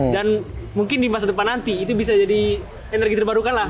dan mungkin di masa depan nanti itu bisa jadi energi terbarukan lah